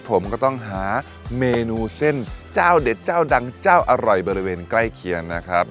ผมก็ต้องหาเมนูเส้นเจ้าเด็ดเจ้าดังเจ้าอร่อยบริเวณใกล้เคียงนะครับ